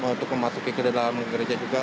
untuk memasuki ke dalam gereja juga